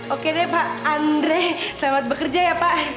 oke deh pak andre selamat bekerja ya pak